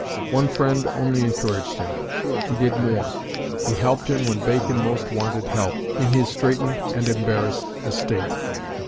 One friend only encouraged him. He did more. He helped him when Bacon most wanted help, in his straitened and embarrassed "estate."